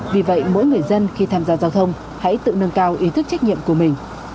vì vậy mỗi người dân khi tham gia giao thông hãy tự nâng cao ý thức trách nhiệm của mình